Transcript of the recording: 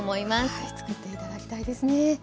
はい作って頂きたいですね。